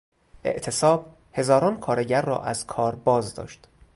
اعتصاب، هزاران کارگر را از کار بازداشت.